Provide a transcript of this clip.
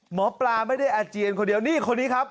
หมอปลาไม่ได้อาเจียนคนเดียวนี่คนนี้ครับ